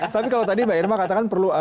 tapi kalau tadi mbak irma katakan perlu